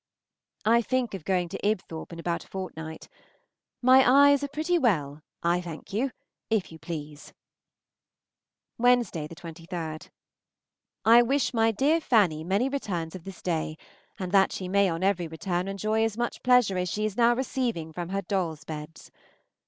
I think of going to Ibthorp in about a fortnight. My eyes are pretty well, I thank you, if you please. Wednesday, 23d. I wish my dear Fanny many returns of this day, and that she may on every return enjoy as much pleasure as she is now receiving from her doll's beds.